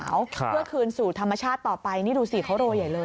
เพื่อคืนสู่ธรรมชาติต่อไปนี่ดูสิเขาโรยใหญ่เลย